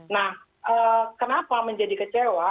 nah kenapa menjadi kecewa